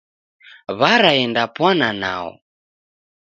W'araendapwana nao.